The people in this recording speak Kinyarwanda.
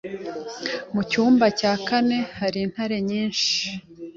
Mu cyumba cya kane hari intare nyinshi